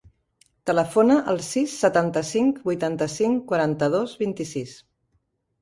Telefona al sis, setanta-cinc, vuitanta-cinc, quaranta-dos, vint-i-sis.